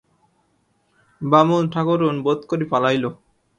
বামুন-ঠাকরুন বোধ করি পালাইল।